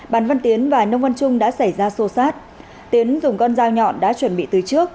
bàn văn tiến và nông văn trung đã xảy ra xô xát tiến dùng con dao nhọn đã chuẩn bị từ trước